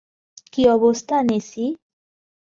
কী অবস্থা, নেসি?